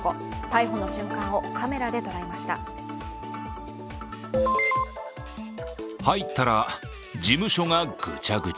逮捕の瞬間をカメラで捉えました。